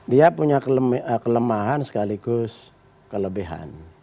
dia punya kelemahan sekaligus kelebihan